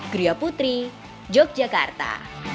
griya putri yogyakarta